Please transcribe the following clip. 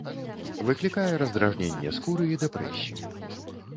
Выклікае раздражненне скуры і дэпрэсію.